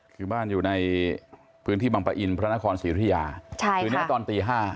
คือบ้านอยู่ในพื้นที่บังปะอินพระนครศรีรุยาคืนนี้ตอนตี๕